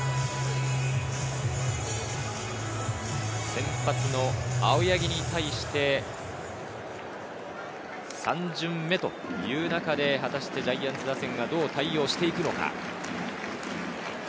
先発の青柳に対して３巡目という中で果たしてジャイアンツ打線がどう対応していくのか。